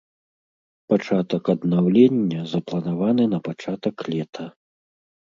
Пачатак аднаўлення запланаваны на пачатак лета.